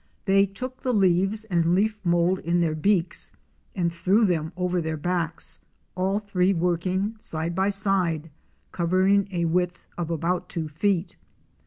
They took the leaves and leaf mould in their beaks and threw them over their backs, all three working side by side, covering a width of about two feet.